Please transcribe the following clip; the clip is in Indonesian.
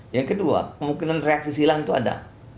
yang kedua kemungkinan reaksi silang itu ada